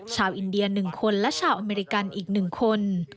ชาวอินเดียหนึ่งคนและชาวอเมริกันอีกหนึ่งคน